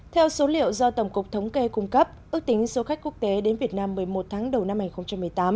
theo số liệu do tổng cục thống kê cung cấp ước tính số khách quốc tế đến việt nam một mươi một tháng đầu năm hai nghìn một mươi tám